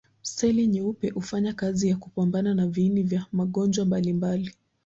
Seli nyeupe hufanya kazi ya kupambana na viini vya magonjwa mbalimbali.